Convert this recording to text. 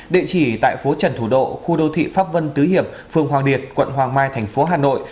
địa chỉ tại phố trần thủ độ khu đô thị pháp vân tứ hiệp phường hoàng liệt quận hoàng mai thành phố hà nội